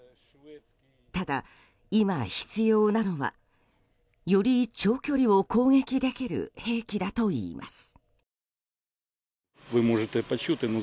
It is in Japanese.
ただ、今必要なのはより長距離を攻撃できる兵器だといいます。